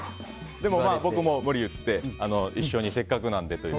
僕も無理言って一緒にせっかくなんでって。